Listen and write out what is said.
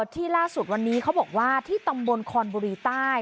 ที่ล่าสุดวันนี้เขาบอกว่าที่ตำบลคอนบุรีใต้